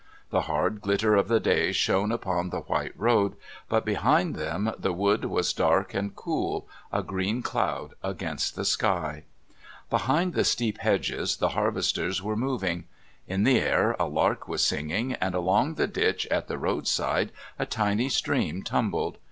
The hard glitter of the day shone upon the white road, but behind them the wood was dark and cool, a green cloud against the sky. Behind the steep hedges the harvesters were moving. In the air a lark was singing, and along the ditch at the road side a tiny stream tumbled.